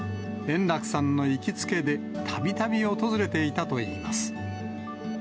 円楽さんの行きつけで、たびたび訪れていたといいます。